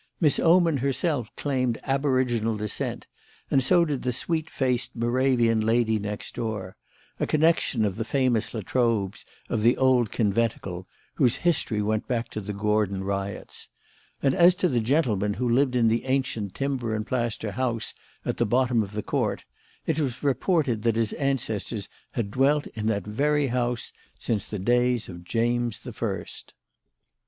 Miss Oman herself claimed aboriginal descent and so did the sweet faced Moravian lady next door a connection of the famous La Trobes of the old Conventicle, whose history went back to the Gordon Riots; and as to the gentleman who lived in the ancient timber and plaster house at the bottom of the court, it was reported that his ancestors had dwelt in that very house since the days of James the First.